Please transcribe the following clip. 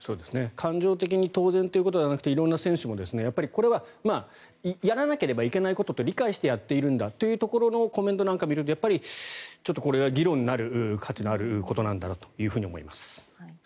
感情的に当然ということではなくて色んな選手も、これはやらなければいけないことと理解してやっているんだというところのコメントなんかを見るとやっぱりこれは議論になる価値のあることなんだなと思います。